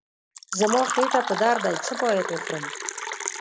زما په خېټه درد دی، څه باید وخورم؟